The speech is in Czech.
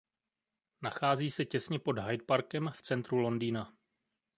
Nachází se těsně pod Hyde Parkem v centru Londýna.